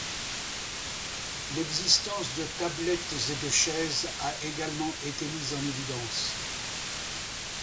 L’existence de tablettes et de chaises a également été mise en évidence.